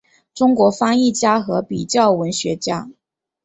中国翻译家和比较文学家。